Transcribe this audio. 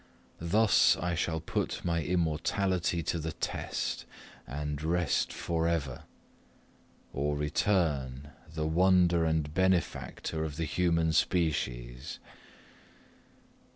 Thus I shall put my immortality to the test, and rest for ever or return, the wonder and benefactor of the human species.